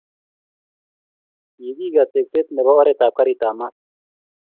kikikaa tekset nebo oret ab karit ab maat